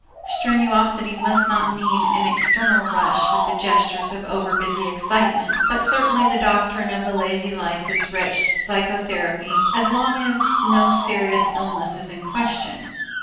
Strenuosity must not mean an external rush with the gestures of overbusy excitement, but certainly the doctrine of the lazy life is wretched psychotherapy, as long as no serious illness is in question.